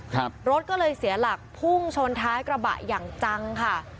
รถก็เลยเสียหลักพุ่งชนท้ายกระบะอย่างจังค่ะ